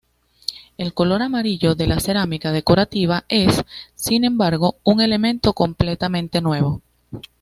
El color amarillo de la cerámica decorativa es, sin embargo, un elemento completamente nuevo.